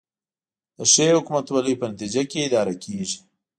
د ښې حکومتولې په نتیجه کې اداره کیږي